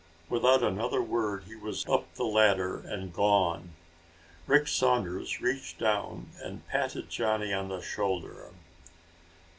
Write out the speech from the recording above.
Without another word he was up the ladder and gone. Rick Saunders reached down and patted Johnny on the shoulder.